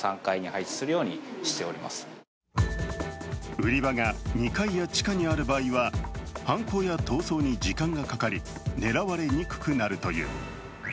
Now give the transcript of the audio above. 売り場が２階や地下にある場合は犯行や逃走に時間がかかり、狙われにくくなるという。